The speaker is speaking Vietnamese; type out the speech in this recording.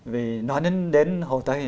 vì nói đến hồ tây